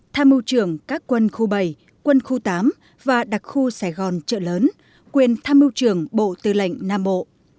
tham mưu trưởng các quân khu bảy quân khu tám và đặc khu sài gòn trợ lớn quyền tham mưu trưởng bộ tư lệnh nam bộ